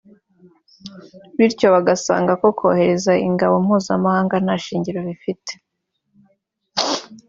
bityo bagasanga ko kohereza ingabo mpuzamahanga nta shingiro bifite